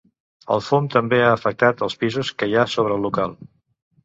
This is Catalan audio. El fum també ha afectat els pisos que hi ha sobre local.